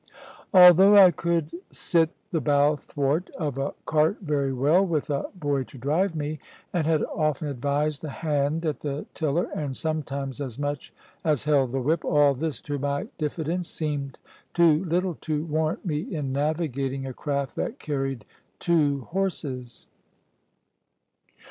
Although I could sit the bow thwart of a cart very well, with a boy to drive me, and had often advised the hand at the tiller, and sometimes as much as held the whip, all this, to my diffidence, seemed too little to warrant me in navigating a craft that carried two horses.